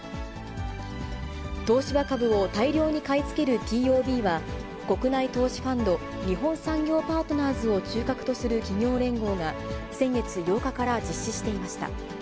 東芝株を大量に買い付けるＴＯＢは、国内投資ファンド、日本産業パートナーズを中核とする企業連合が、先月８日から実施していました。